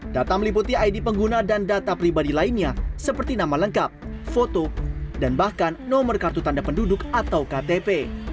data meliputi id pengguna dan data pribadi lainnya seperti nama lengkap foto dan bahkan nomor kartu tanda penduduk atau ktp